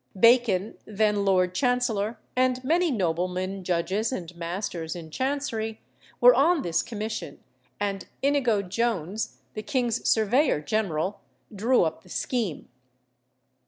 Bacon, then Lord Chancellor, and many noblemen, judges, and masters in Chancery, were on this commission, and Inigo Jones, the king's Surveyor General, drew up the scheme.